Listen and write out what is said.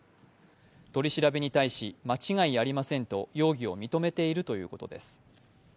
取り調べに対し、間違いありませんと容疑を認めているということです。